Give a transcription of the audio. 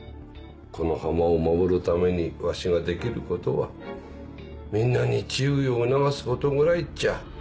この浜を守るためにわしができることはみんなに注意を促すことぐらいっちゃ。